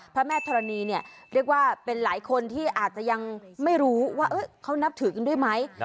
พระแม่ธรณีเนี่ยเรียกว่าเป็นหลายคนที่อาจจะยังไม่รู้ว่าเขานับถือกันด้วยไหม